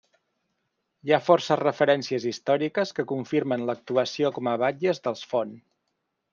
Hi ha forces referències històriques que confirmen l'actuació com a batlles dels Font.